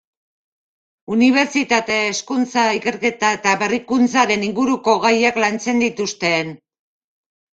Unibertsitate, hezkuntza, ikerketa eta berrikuntzaren inguruko gaiak lantzen dituzten.